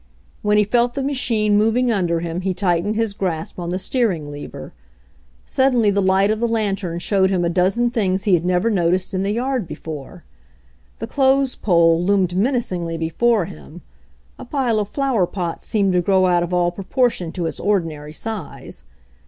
When he felt the machine moving under him he tightened his grasp on the steering lever. Sud denly the light of the lantern showed him a dozen things he had never noticed in the yard before. The clothes pole loomed menacingly before him, a pile of flower pots seemed to grow out of all proportion to its ordinary size.